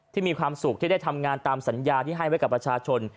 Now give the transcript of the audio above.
มีความสุขที่ได้ทำงานตามสัญญาที่ให้ไว้กับประชาชน